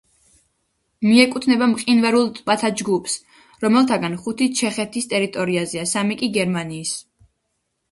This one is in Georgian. მიეკუთვნება მყინვარულ ტბათა ჯგუფს, რომელთაგან ხუთი ჩეხეთის ტერიტორიაზეა, სამი კი გერმანიის.